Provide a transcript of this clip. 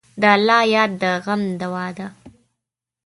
د الله یاد د غم دوا ده.